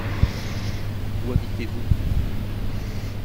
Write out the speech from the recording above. Où habitez-vous ?